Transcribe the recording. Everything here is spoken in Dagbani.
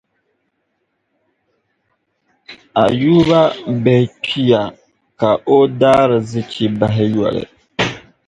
Ayuba bihi kpiya, ka o daarzichi bahi yoli.